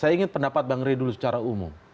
saya ingin pendapat bang rey dulu secara umum